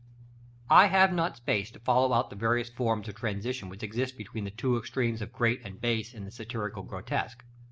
§ LVIII. I have not space to follow out the various forms of transition which exist between the two extremes of great and base in the satirical grotesque.